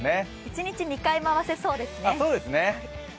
一日２回回せそうですね。